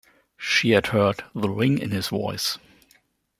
She had heard the ring in his voice.